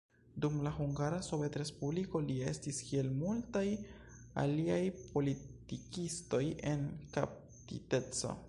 Dum la Hungara Sovetrespubliko, li estis kiel multaj aliaj politikistoj, en kaptiteco.